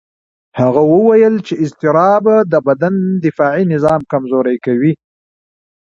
هغه وویل چې اضطراب د بدن دفاعي نظام کمزوري کوي.